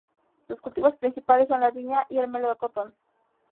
Los cultivos principales son la viña y el melocotón.